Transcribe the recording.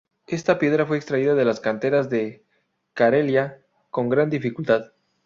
Esta piedra fue extraída de las canteras de Carelia con gran dificultad.